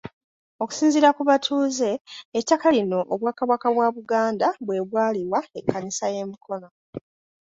Okusinziira ku batuuze, ettaka lino Obwakabaka bwa Buganda bwe bwaliwa Ekkanisa y'e Mukono.